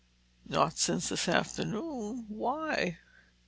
"Not since this afternoon. Why?"